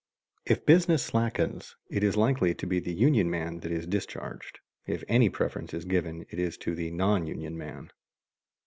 If business slackens, it is likely to be the union man that is discharged; if any preference is given, it is to the non union man.